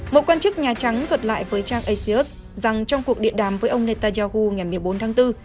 một quan chức nhà trắng thuận lại với trang asios rằng trong cuộc điện đàm với ông netanyahu ngày một mươi bốn tháng bốn